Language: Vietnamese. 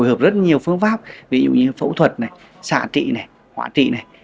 và phù hợp rất nhiều phương pháp ví dụ như phẫu thuật xạ trị hỏa trị này